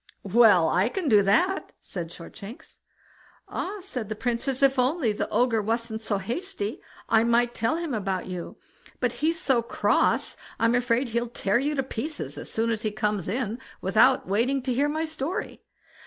"Well! I can do that", said Shortshanks. "Ah!" said the Princess, "if only the Ogre wasn't so hasty, I might tell him about you; but he's so cross; I'm afraid he'll tear you to pieces as soon as he comes in, without waiting to hear my story.